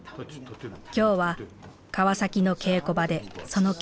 今日は川崎の稽古場でその稽古です。